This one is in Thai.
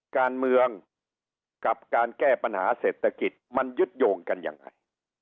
การเมืองกับการแก้ปัญหาเศรษฐกิจมันยึดโยงกันยังไง